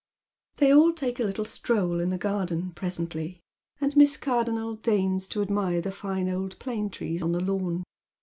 They all take a httle stroll in the garden presently, and Wnm Cai'donnel deigns to a<hnire the fine old plane trees on the lawn.